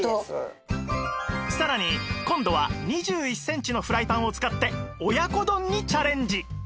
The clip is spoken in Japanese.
さらに今度は２１センチのフライパンを使って親子丼にチャレンジ